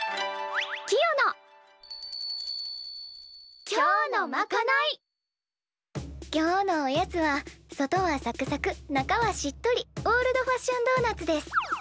キヨの今日のおやつは外はサクサク中はしっとりオールドファッションドーナツです。